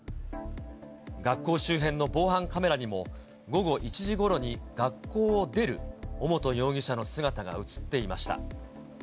学校周辺の防犯カメラにも、午後１時ごろに学校を出る尾本容疑者の姿が写っていました。